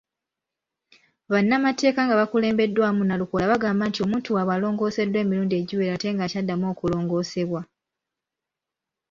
Bannamateeka nga bakulembeddwamu Nalukoola bagamba nti omuntu waabwe alongooseddwa emirundi egiwera ate ng'akyaddamu okulongoosebwa.